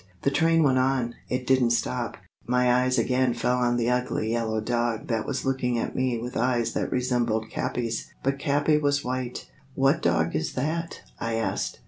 "The train went on; it didn't stop." My eyes again fell on the ugly yellow dog that was looking at me with eyes that resembled Capi's. But Capi was white.... "What dog is that?" I asked.